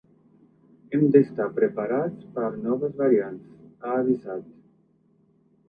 “Hem d’estar preparats per noves variants”, ha avisat.